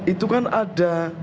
itu kan ada